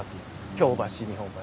京橋日本橋。